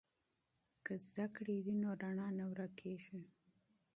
که علم وي نو رڼا نه ورکیږي.